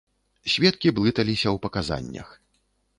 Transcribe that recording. Сведкі блыталіся ў паказаннях.